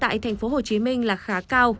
tại thành phố hồ chí minh là khá cao